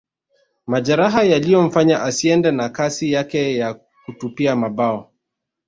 Majeraha yaliyomfanya asiende na kasi yake ya kutupia mabao